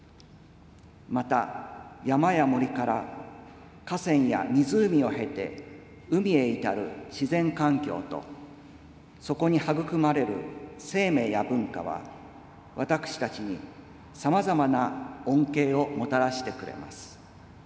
また、山や森から河川や湖を経て海へ至る自然環境と、そこに育まれる生命や文化は、私たちに様々な恩恵をもたらしてくれます。